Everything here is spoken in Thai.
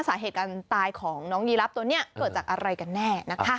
สาเหตุการตายของน้องยีรับตัวนี้เกิดจากอะไรกันแน่นะคะ